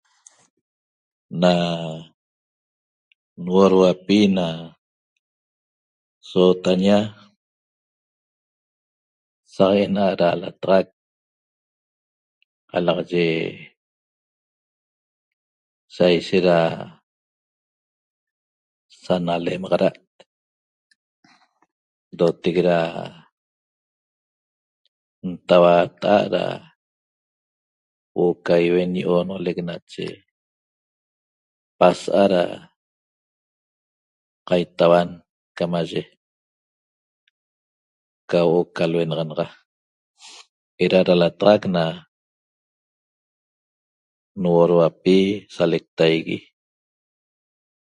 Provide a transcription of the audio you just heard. Na nuoduauapi na sootaña saq ena'at da lataxac qalaxaye saisehet da sanalemaxada't ndotec da ntauata'a't da huo'o ca iuen ñi oonolec nache pasa'a da qaitauan camaye ca huo'o ca luenaxanaxa eda da lataxac na nuoduapi salectaigui